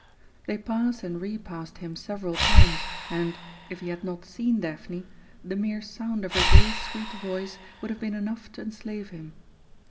They passed and repassed him several times, and, if he had not seen Daphne, the mere sound of her gay sweet voice would have been enough to enslave him.